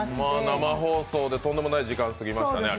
生放送でとんでもない時間が過ぎましたね。